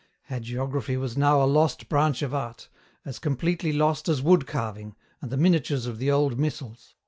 Hagiography was now a lost branch of art, as completely lost as wood carving, and the miniatures of the old missals.